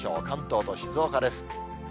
関東と静岡です。